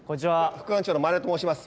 副館長の前田と申します。